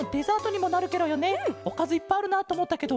おかずいっぱいあるなとおもったけど。